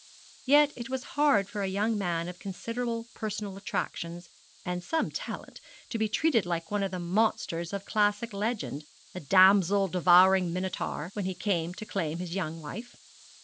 Yet it was hard for a young man of considerable personal attractions and some talent to be treated like one of the monsters of classical legend, a damsel devouring Minotaur, when he came to claim his young wife.